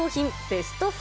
ベスト５。